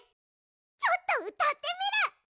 ちょっとうたってみる！